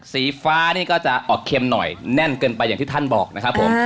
สีฟ้านี่ก็จะออกเค็มหน่อยแน่นเกินไปอย่างที่ท่านบอกนะครับผม